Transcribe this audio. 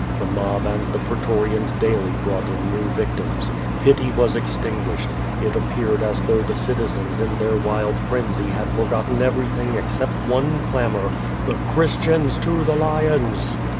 The mob and the pretorians daily brought in new victims. Pity was extinguished. It ap peared as though the citizens in their wild frenzy had for gotten cvor}'thing except one clamor — "The Christians to the lions!"